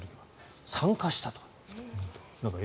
参加したと。